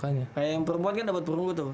kayak yang perempuan kan dapat perunggu tuh